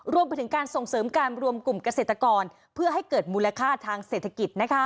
รวมไปถึงการส่งเสริมการรวมกลุ่มเกษตรกรเพื่อให้เกิดมูลค่าทางเศรษฐกิจ